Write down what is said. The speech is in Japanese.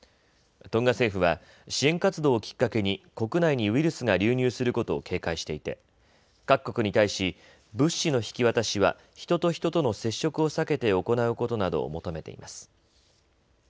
トンガ政府は支援活動をきっかけに国内にウイルスが流入することを警戒していて各国に対し、物資の引き渡しは人と人との接触を避けて行うことなどを求めています。